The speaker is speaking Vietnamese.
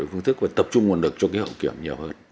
những phương thức và tập trung nguồn lực cho cái hậu kiểm nhiều hơn